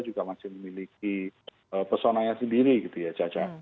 juga masih memiliki personanya sendiri gitu ya caca